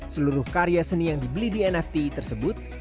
seluruh karya seni yang dibeli di nft tersebut